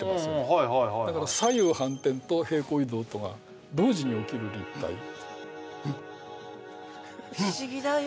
はいはいはいだから左右反転と平行移動とが同時に起きる立体不思議だよ